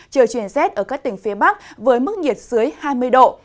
trời chuyển rét ở các tỉnh phía bắc với mức nhiệt dưới hai mươi độ